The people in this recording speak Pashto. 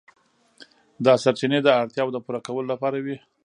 دا سرچینې د اړتیاوو د پوره کولو لپاره وې.